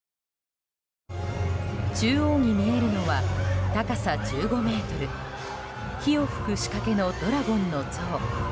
中央に見えるのは高さ１５ｍ火を噴く仕掛けのドラゴンの像。